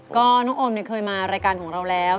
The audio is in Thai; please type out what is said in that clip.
ก็น้องโอมเคยมารายการของเราแล้ว